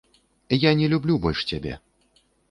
Я не люблю больш цябе!